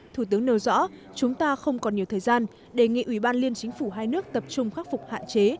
thủ tướng nêu rõ chúng ta không còn nhiều thời gian đề nghị ủy ban liên chính phủ hai nước tập trung khắc phục hạn chế